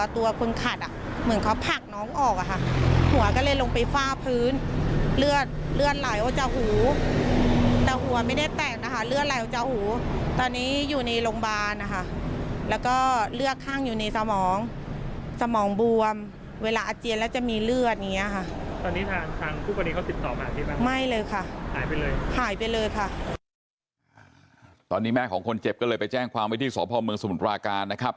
ตอนนี้แม่ของคนเจ็บก็เลยไปแจ้งความไว้ที่สพเมืองสมุทรปราการนะครับ